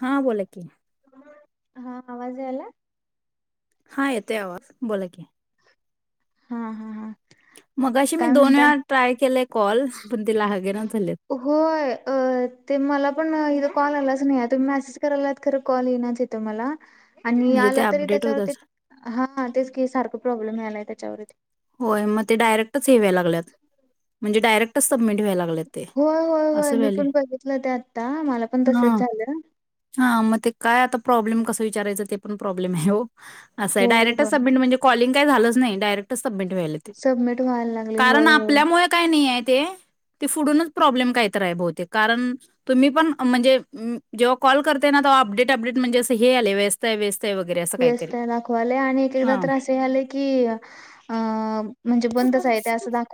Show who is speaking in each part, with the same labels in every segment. Speaker 1: हा बोला की
Speaker 2: हा आवाज यायलंय
Speaker 1: हा येत आवाज बोला की
Speaker 2: हा हा हा
Speaker 1: मगाशी मी
Speaker 2: काय
Speaker 1: दोन
Speaker 2: म्हणताय
Speaker 1: वेळा ट्राय केले कॉल पण तिला लागेनच झालेत.
Speaker 2: होय अ ते मला पण इथं कॉल आलाच नाही आहे. तुम्ही मेसेज करायलात खर कॉल येईणाच इथे मला, आणि
Speaker 1: म्हणजे ते
Speaker 2: आला तरी
Speaker 1: अपडेट होत
Speaker 2: त्याच्यावर ते
Speaker 1: अस
Speaker 2: हा तेच की सारखं प्रॉब्लेम यायलाय. [inaudible]
Speaker 1: होय मग ते डायरेक्टच हे व्हाय लागल्यात. म्हणजे डायरेक्टच सबमिट व्हायला लागलेत ते
Speaker 2: होय होय होय
Speaker 1: असं
Speaker 2: मी
Speaker 1: व्हायलय
Speaker 2: पण बघितलं ते आता मला पण
Speaker 1: हा
Speaker 2: तसच झालं.
Speaker 1: हा मग ते काय आता प्रॉब्लेम कस विचारायच, ते पण प्रॉब्लेम आहे हो असं हाय.
Speaker 2: होय
Speaker 1: डायरेक्ट
Speaker 2: होय
Speaker 1: सबमिट म्हणजे काॅलिंग काय झालंच नाही डायरेक्ट सबमीट व्हायलय ते,
Speaker 2: सबमिट व्हायला लागले
Speaker 1: कारण
Speaker 2: होय होय
Speaker 1: आपल्यामुळे काय नाही हाय ते पुढूनच प्रॉब्लेम कायतर हाय ते बहुतेक कारण, तुम्ही पण म्हणजे जेव्हा कॉल करतय ना तेव्हा अपडेट अपडेट म्हणजे असं हे यायलय व्यस्त आहे व्यस्त आहे वगैरे असं काहीतरी
Speaker 2: व्यस्त दाखवा लय आणि एक एकदा
Speaker 1: हा
Speaker 2: तर असं हे आले की, अ म्हणजे बंदच आहे तेे असं दाख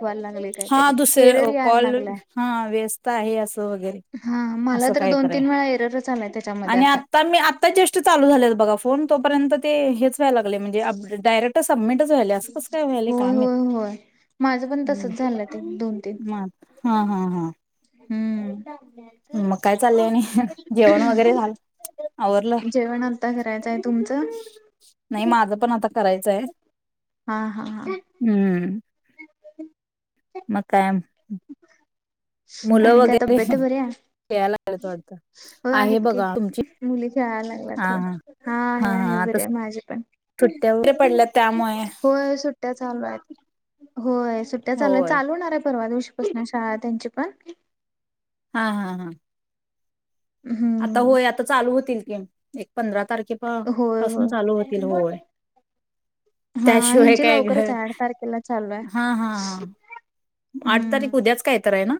Speaker 1: हा दुसरे कॉल
Speaker 2: लागलाय
Speaker 1: हा व्यस्त आहे असं. अस वगैरे
Speaker 2: हा मला
Speaker 1: अस
Speaker 2: तर दोन
Speaker 1: कायतरी हाय
Speaker 2: तीन वेळा एररच आलाय त्याच्यामध्ये
Speaker 1: आणि आता मी आता जस्ट चालू झाल्यात बघा फोन तोपर्यंत ते हेच व्हायला लागल्यात अप म्हणजे डायरेक्ट सबमिटच व्हायले असं कस काय व्हायलय काय
Speaker 2: होय
Speaker 1: माहीत
Speaker 2: होय होय. माझं पण तसच झालं ते दोन तीन
Speaker 1: मग हा हा हा
Speaker 2: हम्म.
Speaker 1: मग काय चाललंय आणि जेवण वगैरे झालं आवरलं
Speaker 2: जेवण आता करायचंय तुमचं?
Speaker 1: नाही माझं पण आता करायचंय
Speaker 2: हा हा हा
Speaker 1: हम
Speaker 2: [inaudible]
Speaker 1: मग काय आम
Speaker 2: ह [inaudible] आणि काय
Speaker 1: वगैरे
Speaker 2: तब्येत
Speaker 1: खेळायला
Speaker 2: बरी आहे?
Speaker 1: लागलेत वाटतं.
Speaker 2: हो,
Speaker 1: आहे
Speaker 2: आहेत की
Speaker 1: बघा तुमची
Speaker 2: मुली खेळायला
Speaker 1: हा
Speaker 2: लागल्यात होय.
Speaker 1: हा हा
Speaker 2: आहे आहे
Speaker 1: हा आता
Speaker 2: बरी माझे पण
Speaker 1: सुट्ट्या वगैरे पडल्या त्यामुळे
Speaker 2: होय सुट्टया चालू आहेत. होय सुट्टया चालू आहेत.
Speaker 1: होय
Speaker 2: चालू होणार आहे परवा दिवशी कृष्णा शाळा त्यांची पण
Speaker 1: हा हा हा आता
Speaker 2: हम्म
Speaker 1: होय आता चालू होतील. एक पंधरा तारखे- खे
Speaker 2: होय
Speaker 1: पासून
Speaker 2: होय.
Speaker 1: चालू होतील होय.
Speaker 2: हा
Speaker 1: त्याशिवाय
Speaker 2: ह्यांची
Speaker 1: काय घर
Speaker 2: लवकरच आहे आठ तारखेला चालू आहे
Speaker 1: हा हा ह आठ
Speaker 2: हम्म
Speaker 1: तारीख उद्याच काय तर आहे ना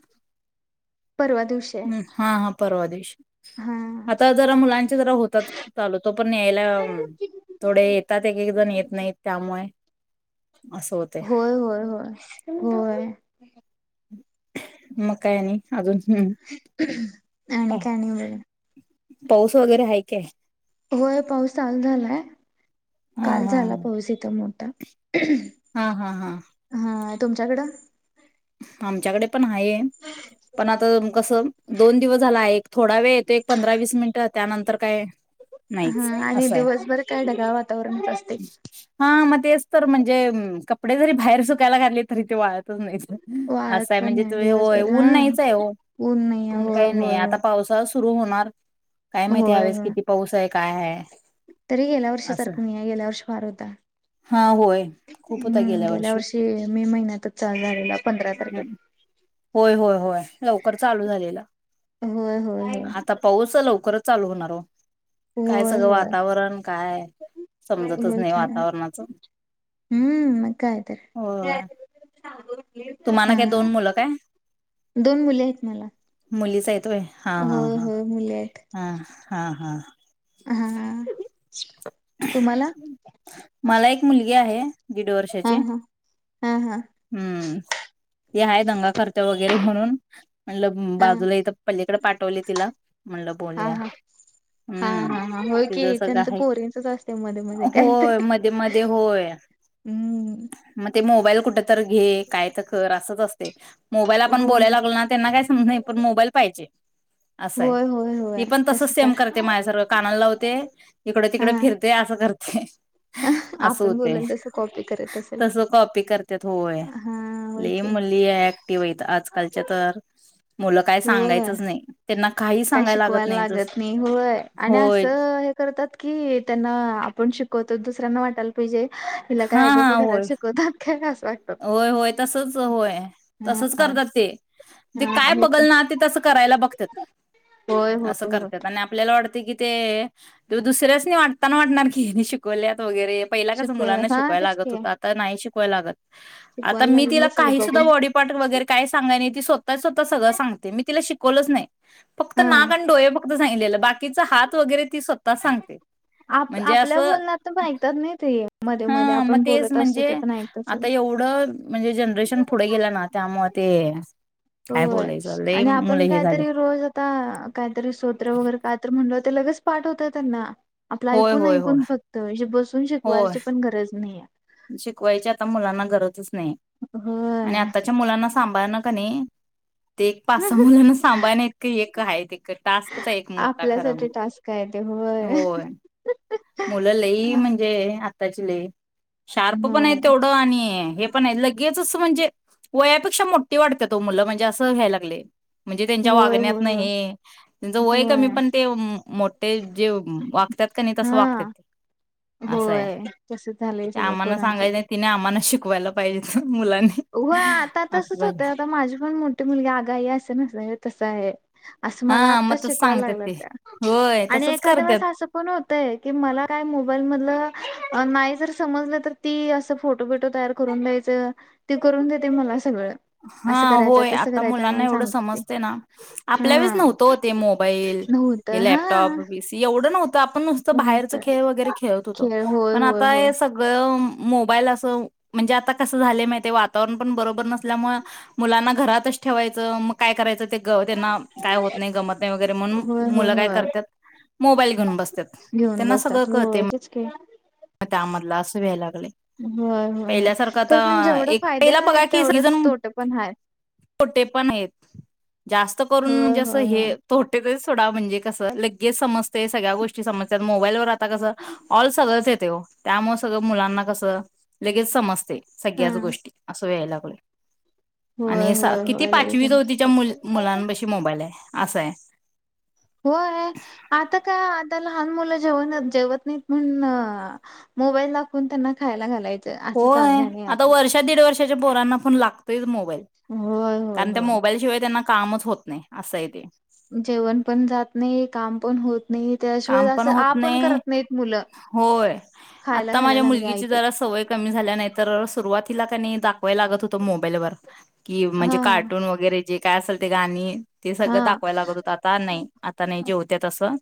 Speaker 2: परवा दिवश
Speaker 1: हम्म, हा हा परवा देेश आता जरा मुलांचे जरा होतात चालूतो पण यायला थोडे येतात एक एक जण येत नाही त्यामुळे असं होतय
Speaker 2: होय होय होय होय [inaudible]
Speaker 1: मग काय आणि अजून? हम्म.
Speaker 2: आणि काय नाय बाई.
Speaker 1: पाऊस वगैरे आहे काय?
Speaker 2: होय पाऊस चालू झालाय
Speaker 1: हा
Speaker 2: काल
Speaker 1: हा.
Speaker 2: झाला पाऊस हीत म टा.
Speaker 1: हा हा हा.
Speaker 2: तुमच्याकडं?
Speaker 1: आमच्याकडे पण आहे पण आता कस दोन दिवस झाला आहे थोडा वेळ येतो एक पंधरा वीस मिनिट त्यानंतर काय नाहीच
Speaker 2: हा आणि
Speaker 1: असं आहे.
Speaker 2: दिवसभर काय ढगाळ वातावरनच असतय.
Speaker 1: हा मग तेच तर म्हणजे कपडे जरी बाहेर सुकायला घातली तरी ते वाळतच नाहीत. असं
Speaker 2: वाळत
Speaker 1: आहे
Speaker 2: पण
Speaker 1: म्हणजे
Speaker 2: या
Speaker 1: तुम्ही होय
Speaker 2: दिवसभर हा
Speaker 1: ऊन नाहीच आहे वो
Speaker 2: नाही
Speaker 1: ऊन
Speaker 2: होय
Speaker 1: काही नाही
Speaker 2: होय होय
Speaker 1: आता पावसा सुरू होणार, काय माहिती ह्या
Speaker 2: होय
Speaker 1: वेळेस
Speaker 2: होय
Speaker 1: किती पाऊस आहे? काय आहे.
Speaker 2: तरी गेल्या वर्षी
Speaker 1: असं.
Speaker 2: सारखं नाही आहे गेल्या वर्षी फार होता.
Speaker 1: हा होय खूप होता
Speaker 2: हम्म गेल्या वर्षी मे महिन्यातच चालू झालेला प
Speaker 1: हम् होय होय होय लवकर चालू झालेलं
Speaker 2: होय होय
Speaker 1: आता पाऊस लवकरच चालू होणार वो.
Speaker 2: होय होय
Speaker 1: समजतच
Speaker 2: होय
Speaker 1: नाही
Speaker 2: की हम्म
Speaker 1: वातावरणाचं
Speaker 2: मग काय तर.
Speaker 1: होय तुम्हाला
Speaker 2: हा
Speaker 1: काय
Speaker 2: हा
Speaker 1: दोन मुलं काय?
Speaker 2: दोन मुले आहेत मला
Speaker 1: मुलीच हायेत होय हा हा
Speaker 2: होय
Speaker 1: हा ह
Speaker 2: होय
Speaker 1: हा. हां हां.
Speaker 2: हां.
Speaker 1: मला एक मुलगी आहे. दीड
Speaker 2: हा
Speaker 1: वर्षाची
Speaker 2: हा हा हा हा
Speaker 1: हम्म ती आहे दंगा करतीया वगैरे म्हणून म्हणलं
Speaker 2: हा
Speaker 1: बाजूला इथं पलीकडे पाठवले तिला म्हणलं बोलूया
Speaker 2: हा हा
Speaker 1: हम्म
Speaker 2: हा हा होय
Speaker 1: तिज
Speaker 2: की
Speaker 1: सगळं
Speaker 2: त्यांचं
Speaker 1: आहे
Speaker 2: पोरींचच असते मध्ये मध्ये काय तर
Speaker 1: होय मध्ये-मध्ये होय
Speaker 2: हम्म
Speaker 1: म ते मोबाईल कुठ तर घे काय तर कर अस असतय. मोबाईल आपण
Speaker 2: होय
Speaker 1: बोलायला लागलो ना त्यांना काय समजत नाही पण मोबाईल पाहिजे असं हाय
Speaker 2: होय होय
Speaker 1: ती
Speaker 2: होय
Speaker 1: पण तसच सेम
Speaker 2: आहे
Speaker 1: करते माझ्यासारखं काना लावते इकडे तिकडे
Speaker 2: हा
Speaker 1: फिरते असं करते ह अस
Speaker 2: आपण
Speaker 1: होते
Speaker 2: बोलल तसं कॉपी करत असेल
Speaker 1: तस कॉपी करते होय
Speaker 2: हा होय
Speaker 1: ल
Speaker 2: की
Speaker 1: मुलली ऍक्टिव्ह य आजकालच्या तर मुलं काय
Speaker 2: होय
Speaker 1: सांगायचंच नाही त्यांना काही
Speaker 2: काय
Speaker 1: सांगायला
Speaker 2: शिकवायला
Speaker 1: नाही जस
Speaker 2: लागत नाही होय आणि
Speaker 1: होय
Speaker 2: असं हे करतात की त्यांना आपण शिकवतो दुसऱ्यांना वाटायला पाहिजे तिला काय
Speaker 1: हा
Speaker 2: आई
Speaker 1: हा
Speaker 2: बाबा
Speaker 1: होय
Speaker 2: घरात शिकवतय
Speaker 1: होय होय तसच होय
Speaker 2: हा
Speaker 1: तसच करतात ते ते काय
Speaker 2: हा
Speaker 1: बघल ना ते तं करायला बघत
Speaker 2: होय होय
Speaker 1: असं
Speaker 2: होय
Speaker 1: करत आणि आपल्याला कि ते दुसऱ्याच वाटता वाटणार की शिकवल्यात वगैरे पहिला काच
Speaker 2: शिकव
Speaker 1: मुलांना
Speaker 2: हा
Speaker 1: शिकवाय
Speaker 2: तेच
Speaker 1: लागत
Speaker 2: की
Speaker 1: होता आता नाही क लागत आता
Speaker 2: शिकवायला लागेल
Speaker 1: मीिला
Speaker 2: ना सगळं
Speaker 1: काही सुद्धा
Speaker 2: बघून
Speaker 1: बॉडी पार्ट वगैरे काय सांगाय नाही ती स्वतःच स्वतः सगळं सांगते मी तिला शिक कोलच नाही फक्त नाक
Speaker 2: हा.
Speaker 1: आणि डोळे फक्त सांगले बाकीच हात वगरे
Speaker 2: आप आपल्या
Speaker 1: असं
Speaker 2: बोलण्यातण ऐकतात नाही ते मध्ये मध्ये
Speaker 1: हा मग
Speaker 2: आपण
Speaker 1: तेच
Speaker 2: बोलत असतो
Speaker 1: म्हणजे
Speaker 2: ते पण ऐकतात सगळे.
Speaker 1: आता एवढं म्हणजे जनरेशन पुढे गेलं ना त्यामुळे ते काय
Speaker 2: होय
Speaker 1: बोलायचं लय
Speaker 2: आणि
Speaker 1: मुलं
Speaker 2: आपण
Speaker 1: हे झालेत.
Speaker 2: काहीतरी रोज आता काहीतरी सोत्र वगैरे काय तर म्हणल ते लगेच पाठ होतं त्यांना आपलं
Speaker 1: होय
Speaker 2: ऐकून
Speaker 1: होय होय
Speaker 2: ऐकून फक्तजे बस ून
Speaker 1: होय
Speaker 2: शिकवायची पण गरज नाहीे
Speaker 1: शिकवायची आता मुलांना गरजच आणि
Speaker 2: होय.
Speaker 1: आताच्या मुलां सांभार न का नाही ते एक पाच सहा मुलाना सांभाळण्या इतक एक आहे टास्कच एक मोठा खरा
Speaker 2: आपल्यासाठी
Speaker 1: म्हणजे
Speaker 2: टास्क आहे ते
Speaker 1: होय मुलं लही म्हणजे आतााची लई शार्प पण आहे तेवढं आणि हे पण आहे लगेचच म्हणजे वयापेक्षा मोठी वाटत्यात तो मुलं म्हणजे असं घ्यायला लागलय म्हणजे त्यांच्या
Speaker 2: होय होय
Speaker 1: वागण्यात
Speaker 2: होय
Speaker 1: नाही त्यांच वय कमी
Speaker 2: होय.
Speaker 1: पण ते मोठे जे वागतात का नाही तस वा
Speaker 2: हा
Speaker 1: असं आहे
Speaker 2: होय तस झालंय सगळं
Speaker 1: आमांना
Speaker 2: पोरांच आता
Speaker 1: सांगायचं तिने आमना शी कवला पाहिजे मुलांनी
Speaker 2: होय आता
Speaker 1: असं
Speaker 2: तसच
Speaker 1: झालं
Speaker 2: होतं आता माझी पण मोठी मुलगी आगाई असं नस आहे तसं आहे असं मला
Speaker 1: हा मग
Speaker 2: आत्ताच
Speaker 1: तस
Speaker 2: शिकवायला
Speaker 1: सांगतात
Speaker 2: लागलं
Speaker 1: ते
Speaker 2: त्या
Speaker 1: होय
Speaker 2: आणि
Speaker 1: तसच
Speaker 2: एखाद्या
Speaker 1: करतात
Speaker 2: वेळेस असं पण होतय की मला काय मोबाईल मधलं नाही जर समजलं तर ती असं फोटो, बिटो तयार करून द्यायचं तेी करून देते मला सगळं
Speaker 1: हा
Speaker 2: असं करायचं
Speaker 1: होय
Speaker 2: तसं
Speaker 1: आता
Speaker 2: करायचं
Speaker 1: मुलांना
Speaker 2: मला
Speaker 1: एवढं
Speaker 2: सांगते ती
Speaker 1: समजते ना आपल्या वेळेच
Speaker 2: हा
Speaker 1: नव्हत ते मोबाईल
Speaker 2: नव्हतं
Speaker 1: हे
Speaker 2: हा
Speaker 1: लॅपटॉप बीसी एवढं नव्हत तर आपण नुसतं बाहेरच
Speaker 2: नव्हतं
Speaker 1: खेळ वगैरे खेळत होतो
Speaker 2: खेळ होय
Speaker 1: पण
Speaker 2: होय
Speaker 1: आता
Speaker 2: होय
Speaker 1: हे सगळं मोबाईल असं म्हणजे आता कसं झाले माहि वातावरण पण बरोबर नस मुलांना घरातच ठेवायच काय करायच त्यांना काय होत नाही गमत नाही वगैरे म्हणून
Speaker 2: होय होय
Speaker 1: मुलं काय
Speaker 2: होय
Speaker 1: करतात मोबाईल घेऊन बसत्यात
Speaker 2: घेऊन
Speaker 1: त्यांना सगळं
Speaker 2: बसतात
Speaker 1: कळते
Speaker 2: होय
Speaker 1: म
Speaker 2: तेच की
Speaker 1: मग त्यामधला अस व्हायला
Speaker 2: होय, होय खर पण जेवढं
Speaker 1: एक
Speaker 2: फायदे
Speaker 1: पहिला
Speaker 2: आहे तेवढंच तोटे पण हायत
Speaker 1: तोटे पण आहेत जास्त करून
Speaker 2: होय
Speaker 1: म्हणजे असं
Speaker 2: होय होय
Speaker 1: हे तोटेच सोडा म्हणजे कस लगेच समजते सगळ्या गोष्टी समजतात मोबाईलवर कसं ऑल सगळंच त्यामुळे सगळं मुलांना कसं लगेच समजतय सगळ्याच
Speaker 2: हम्म.
Speaker 1: गोष्टी असं व व्हायला लागल
Speaker 2: होय
Speaker 1: आणि
Speaker 2: होय
Speaker 1: किती
Speaker 2: होय लगेच
Speaker 1: पाचवी चौतीच्या
Speaker 2: समजतं.
Speaker 1: मुलांशी मोबाईल आहे असा आहे
Speaker 2: होय आता काय आता लहान मुलं जेवण जेवत नाहीत म्हण मोबाईल दाखवून त्यांना खायला घालायचं असं चालू
Speaker 1: होय
Speaker 2: झालंय
Speaker 1: आता वर्ष दीड वर्षाच्या पोरांना पण लागत तेच मग
Speaker 2: होय होय
Speaker 1: कारण त्या
Speaker 2: होय.
Speaker 1: मोबाईल शिवाय त्यांना कामच होत नाही असं आहे ते.
Speaker 2: जेवण पण जात नाही काम पण होत नाही त्याशिवाय
Speaker 1: काम पण
Speaker 2: असं
Speaker 1: होत
Speaker 2: आ
Speaker 1: नाही
Speaker 2: करत नाहीत मुलं.
Speaker 1: होय
Speaker 2: खायला
Speaker 1: आता माझ्या
Speaker 2: घालायला लागली आई
Speaker 1: मुलगीची
Speaker 2: तर
Speaker 1: जरा सवय कमी झाल्या नाही तर सुरुवात तिला कानी [unintelligible] लागत होतं मोबाईलवर की म्हणजे
Speaker 2: हा
Speaker 1: कार्टून वगैरे. जे काय असेल ते गाणी. ते सगळं
Speaker 2: हा.
Speaker 1: दाखवायला लागत होत आता नाही आता नाही जेवत्या तसं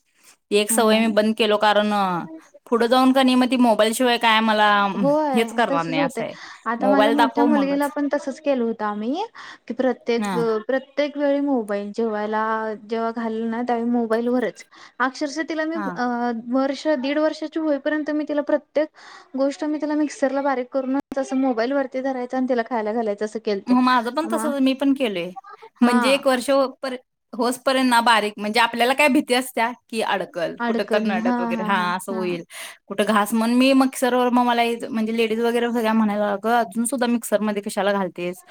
Speaker 1: एक सवय मी
Speaker 2: हा.
Speaker 1: बंद केलो कारण पुढे जाऊन कनी म ति मोबाईल शिवाय काय मला
Speaker 2: होय
Speaker 1: हेच करणार
Speaker 2: तसच
Speaker 1: नाही
Speaker 2: होत
Speaker 1: असं आहे.
Speaker 2: आता माझ्या
Speaker 1: मोबाईल
Speaker 2: मोठ्या
Speaker 1: दाखव
Speaker 2: मुलगीला
Speaker 1: मगच
Speaker 2: पण तसच केलं होतं आम्ही की प्रत्येक
Speaker 1: हा
Speaker 2: अ प्रत्येक वळी मोबाईल जेवयला जेव्हा घालल ना त्यावेळी मोबाईल वरच आ अक्षरशा तिला मी
Speaker 1: हा.
Speaker 2: वर्ष दीड वर्षची होईपर्यंत मी तिला प्रत्येक गोष्ट मी तिला मिक्सरला बारीक करून असं मोबाईल वररती धरायचं आणि तिला खायला घालायच.
Speaker 1: मग माझं पण तस मी पण केलोय म्हणजे
Speaker 2: हा
Speaker 1: एक वर्ष होईपर्यंत होचपर्यंत ना बारीक म्हणजे आपल्याला काय भीती असत्या कि अडकल कुठ तर नडत वगैरे हा असं होईल कुठे घास म्हण मी मिक्सर मग मला म्हणजे लेडीज वगैरे सगळ्या म्हणायल्या अगं अजून सुद्धा मिक्सर मध्ये कशाला घाल तेच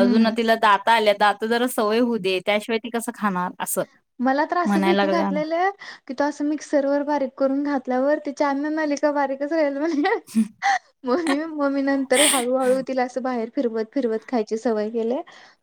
Speaker 1: अजून तिला दा आल्या तर आता जरा सवय हो दे त्याशिवाय ती कसं खाणार. असं.
Speaker 2: मला त्रास
Speaker 1: म्हणायला
Speaker 2: भीती
Speaker 1: लागल्या ना.
Speaker 2: घातलेले आहे की तो अस मिक्सर व बारीक करून घातल्यावर त अन्ननलिका बारीकच राहिल. [inaudible] म ममी नंतर हळूहळूतील असं बाहेर फिरवत फिरवत खायची सवय केली.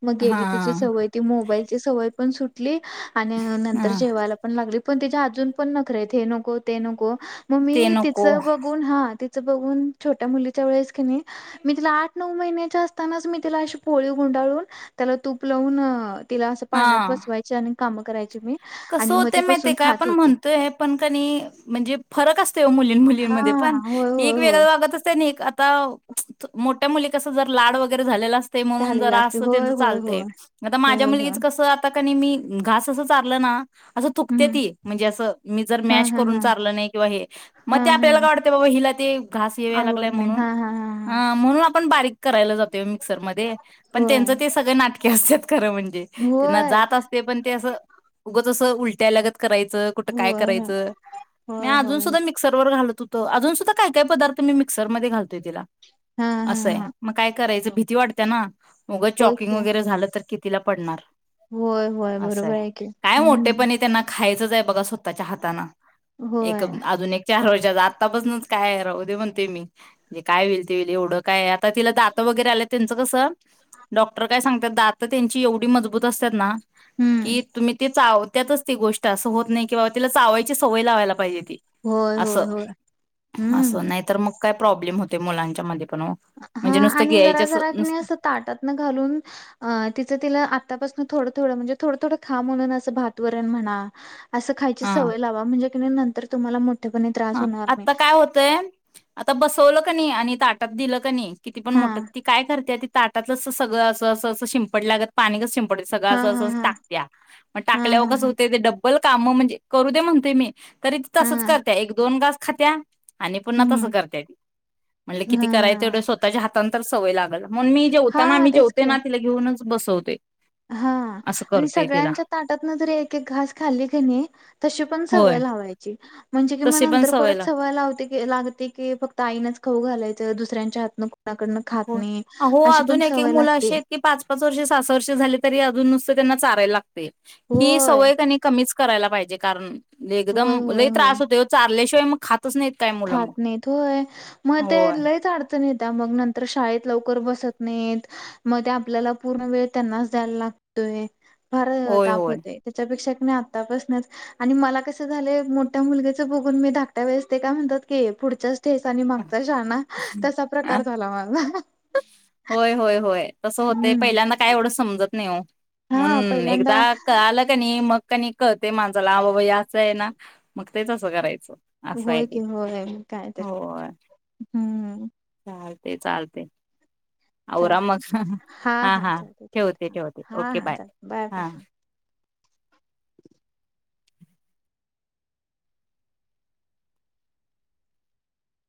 Speaker 2: मग
Speaker 1: हा
Speaker 2: गेली तिची सवय ती मोबाईलची सवय पण सुटली. आणि अं नंतर
Speaker 1: हा
Speaker 2: जेवायला पण लागली. पण तिचे अजून पण नखरेत हे नको ते नको. म
Speaker 1: ते
Speaker 2: मी तिच
Speaker 1: नको
Speaker 2: बघून हां ती ते बघून छोट्या मुलीच्या वेळेस कनी मी तिला आठ नऊ महिन्याच्या असतानाच मी तिला अशी पोळी गुंडाळून त्याला तूप लावून तिला असं पाण्यात बसवायच आणि काम करायची मी.
Speaker 1: कस
Speaker 2: आणि मग ती
Speaker 1: होतेय माहितेय
Speaker 2: बसून
Speaker 1: काय
Speaker 2: खात
Speaker 1: आपण
Speaker 2: होती.
Speaker 1: म्हणतोय पण कनी म्हणजे फरक असतो मुलगी
Speaker 2: हा
Speaker 1: मुलीनमधे पन
Speaker 2: होय होय
Speaker 1: एक
Speaker 2: होय
Speaker 1: वेरल लागत असतय. कनी आता मोठ्या मुली जर लाड वगैरे झालेले असतय. ते म्हणून
Speaker 2: झालेला
Speaker 1: जरा अस
Speaker 2: असते होय होय होय
Speaker 1: त्याचं आता माझ्या
Speaker 2: होय होय
Speaker 1: मुलगीच कसं आता कनी मी घास अस चा लागलं ना. असं थुकते
Speaker 2: हम्म
Speaker 1: ती म्हणजे असं मी जर
Speaker 2: हा
Speaker 1: मॅश
Speaker 2: हा
Speaker 1: करून
Speaker 2: हा
Speaker 1: चाारल नाही किंवा हे मग
Speaker 2: हा
Speaker 1: ते
Speaker 2: हा
Speaker 1: आपल्याला काय वाटतते बाबा हिला ते घास हे व्हाय लागलाय
Speaker 2: आवडले
Speaker 1: म्हणून
Speaker 2: हा हा हा हा
Speaker 1: म्हणून पण बारीक करायला जात ते मिक्सरमध्येध्ये पण त्यांचं
Speaker 2: होय
Speaker 1: ते सगळे नाटके असतात खर म्हणजे त्यांना
Speaker 2: होय
Speaker 1: जात असते पण ते असं स उलटयलागत. करायच कुठं काय
Speaker 2: होय होय
Speaker 1: करायचं मी
Speaker 2: होय
Speaker 1: अजून
Speaker 2: होय
Speaker 1: सुधा मिक्सर घाल. त अजून सुद्धा काय काय पदार्थ मी म्सरमध्ये घालोयिला
Speaker 2: हा हा
Speaker 1: असंय
Speaker 2: हा
Speaker 1: मग काय करायचं भीती वाटत्या ना. मग
Speaker 2: होय
Speaker 1: चॉकिंग
Speaker 2: की
Speaker 1: वगैरे झालं तर कि तिला पडणार.
Speaker 2: होय होय बरोबर आहे. की
Speaker 1: काय
Speaker 2: हम्म
Speaker 1: मोठेपण त्यांना खायचंच आहे बघा स्वतःच्या हाताना एक
Speaker 2: होय
Speaker 1: अजून एक चार वर्षाचा आत्तापासूनच काय? म्हणते मी जे काय होईल तेईल एवढं काय. तिला दात वगैरे आ [inaudible] डॉक्टर काय सांग. तर दात त्यांची एवढी मजबूत असतात ना. [inaudible]
Speaker 2: हम्म
Speaker 1: व त्यातच ती गोष्ट असं होत नाही कि बा तिला चावायची सवय लावायला पाहिजे. ती.
Speaker 2: होय होय
Speaker 1: असं
Speaker 2: होय
Speaker 1: असं
Speaker 2: हम्म.
Speaker 1: नाहीतर मग काय प्रॉब्लेम होते मुलांच्यामध्ये
Speaker 2: हा आणि जरा जरा क अस ताटातन घालून तिचं तिला आतापासून थोडं थोडं म्हणजे थोडं थोडं खा म्हणून असं भातवरण म्हणा असं खायची
Speaker 1: हा.
Speaker 2: सवय लावा म्हणजे क नंतर [inaudible]
Speaker 1: हा
Speaker 2: होणार नाही.
Speaker 1: आता काय होतय आता बसवलं. क आणि ताटप दिलं क नाही किती पण मोठत
Speaker 2: हां.
Speaker 1: ती काय करते त ताटातलंच सगळं असं अस अस शिंपट लागत पाणीचिंप [unintelligible] सगळं अस
Speaker 2: हां,
Speaker 1: अस
Speaker 2: हां,
Speaker 1: अस
Speaker 2: हां.
Speaker 1: टाकत्या, मग
Speaker 2: हां,
Speaker 1: टाकल्याव
Speaker 2: हां,
Speaker 1: कस
Speaker 2: हां.
Speaker 1: हुतंय ते डब बोल कामं म्हणजे करू दे म्हणतोय मी तरी त तसंच
Speaker 2: हां.
Speaker 1: कर एक दोन गास खात्या. आणि पुन्हा तसं
Speaker 2: हं.
Speaker 1: करत्या ती, म्हणल किती करायचं
Speaker 2: हां.
Speaker 1: तेवढं स्वतःच्या हातान तर सवय लागल. म्हणू मी जेवताना
Speaker 2: हां,
Speaker 1: आमी
Speaker 2: तेच
Speaker 1: जेवतोय
Speaker 2: की.
Speaker 1: तिला घिऊनच बसवतोय.
Speaker 2: हा आणि सगळ्यांच्या ताटातन जरी एक एक घास खाल्ली कणी, तशी पण
Speaker 1: होय
Speaker 2: सवय लावायची. म्हणजे की म
Speaker 1: तशी पण
Speaker 2: नंतर
Speaker 1: लाग
Speaker 2: परत सवय लावते की, अ लागते की फक्त आईनच खाऊ ग घालायचं दुसऱ्यांच्या हातन को
Speaker 1: [unintelligible] अहो अजून एक एक
Speaker 2: सवय
Speaker 1: मुलं अशी
Speaker 2: लागते
Speaker 1: आहेत की, पाच पाच वर्षे सहा सहा वर्ष झाले तरी अजून नुसत तेंना चाराय ला पे ही
Speaker 2: होय
Speaker 1: सवय कणी कमीच करायला पाहिजे कारण
Speaker 2: होय
Speaker 1: लेगदम
Speaker 2: होय
Speaker 1: लई
Speaker 2: होय
Speaker 1: त्रास होतोय ओ चालल्या शि ते म खात
Speaker 2: खात नईत होय, म ते
Speaker 1: होय
Speaker 2: लईच अडचन ये त्या मग नंतर शाळेत लवकर बसत नइत, म ते आपल्याला पूर्ण वेळ त्यांनाच द्यायला लागतोय. फार
Speaker 1: होय
Speaker 2: ताप
Speaker 1: होय.
Speaker 2: होतोय त्याच्यापेक्षा अणि आतापासनच आणि मला कसं झालय मोठ्या मुलग्याच बघून मी धाकट्या वेळेस ते काय म्हणतात की पुढच्या ठेच आणि मागचा शाणा, तसा
Speaker 1: अ
Speaker 2: प्रकार झाला माझा
Speaker 1: होय होय होय. तसं होते
Speaker 2: हम्म
Speaker 1: पहिल्यांदा काय एवढं समजत नई अवो
Speaker 2: हा
Speaker 1: मून एकदा
Speaker 2: पहिल्यांदा
Speaker 1: कळाल कणी मग कनी कळतंय माणजाला आ बाबा हे असं आहे ना, मग ते तसं करायचं. असं आहे
Speaker 2: होय कि
Speaker 1: ते
Speaker 2: होय म कायतर, हम्म.
Speaker 1: चालते चालते.
Speaker 2: चाल
Speaker 1: आवरा मग हा हा
Speaker 2: चालतय
Speaker 1: ठेवते
Speaker 2: चालतय हा
Speaker 1: ठेवते,
Speaker 2: हा
Speaker 1: ओके
Speaker 2: हा
Speaker 1: बाय
Speaker 2: चालतय बाय.
Speaker 1: हा